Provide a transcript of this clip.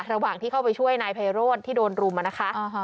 ระหว่างที่เข้าไปช่วยนายไพโรธที่โดนรุมมานะคะ